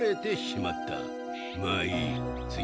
まあいい。